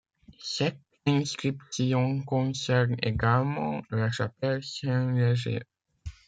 Cette inscription concerne également la chapelle Saint-Léger.